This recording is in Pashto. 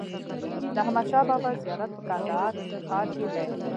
د احمدشاه بابا زيارت په کندهار ښار کي دئ.